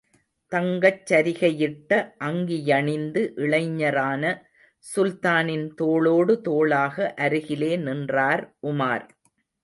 தங்கச் சரிகையிட்ட அங்கியணிந்து, இளைஞரான சுல்தானின் தோளோடு தோளாக அருகிலே நின்றார் உமார்.